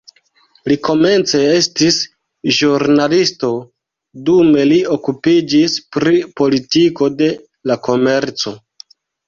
Li komence estis ĵurnalisto, dume li okupiĝis pri politiko de la komerco.